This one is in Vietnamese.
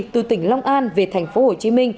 từ tỉnh long an về tp hcm